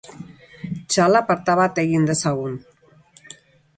Txalaparta bat egin dezagun!